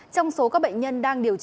trong số các bệnh nhân đang điều trị